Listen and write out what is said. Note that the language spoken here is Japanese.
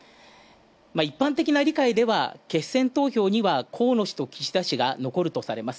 一般的な理解では決選投票には河野氏と岸田氏が残るとされます。